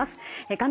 画面